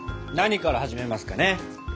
何から始めますかね？